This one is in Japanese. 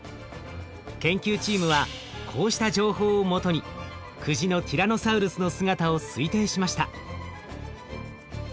研究チームはこうした情報をもとに久慈のティラノサウルスの姿を推定しました。